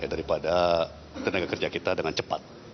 daripada tenaga kerja kita dengan cepat